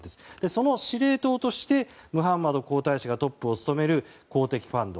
その司令塔としてムハンマド皇太子がトップを務める公的ファンド。